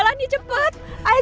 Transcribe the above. karena mereka juga menangkapnya